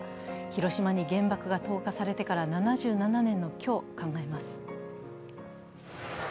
広島に原爆が投下されてから７７年の今日、考えます。